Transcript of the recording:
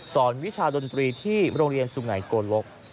วิชาดนตรีที่โรงเรียนสุไงโกลก